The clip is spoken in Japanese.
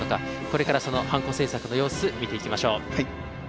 これからそのハンコ制作の様子見ていきましょう。